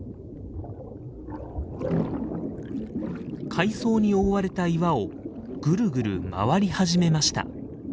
海藻に覆われた岩をぐるぐる回り始めました。